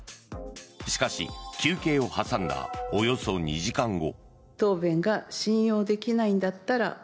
しかし、休憩を挟んだおよそ２時間後。